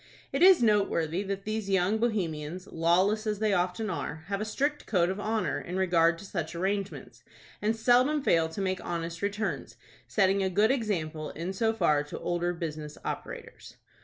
It is noteworthy that these young Bohemians, lawless as they often are, have a strict code of honor in regard to such arrangements, and seldom fail to make honest returns, setting a good example in so far to older business operators.